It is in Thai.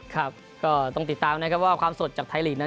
ครับก็ต้องติดตามนะครับว่าความสดจากไทยลีกนั้น